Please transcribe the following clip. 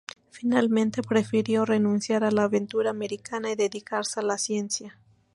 Finalmente, prefirió renunciar a la aventura americana y dedicarse a la ciencia.